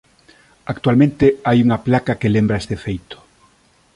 Actualmente hai unha placa que lembra este feito.